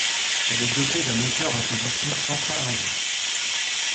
Elle est dotée d'un moteur en position centrale-arrière.